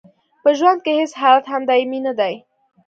په ژوند کې هیڅ حالت هم دایمي نه دی.